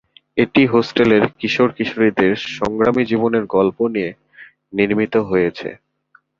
এটি হোস্টেলের কিশোর-কিশোরীদের সংগ্রামী জীবনের গল্প নিয়ে নির্মিত হয়েছে।